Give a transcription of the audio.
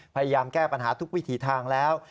พยายามแก้ปัญหาทุกวิถีทางแล้ว